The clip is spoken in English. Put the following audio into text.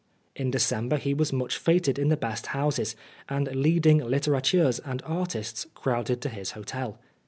In December he was much feted in the best houses, and leading litterateurs and artists crowded to his hotel.